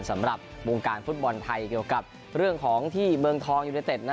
สำหรับวงการฟุตบอลไทยเกี่ยวกับเรื่องของที่เมืองทองยูเนเต็ด